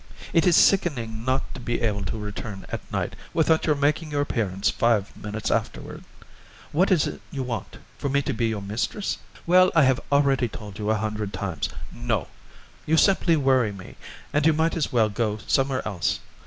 It is sickening not to be able to return at night without your making your appearance five minutes afterward. What is it you want? For me to be your mistress? Well, I have already told you a hundred times, No; you simply worry me, and you might as well go somewhere else.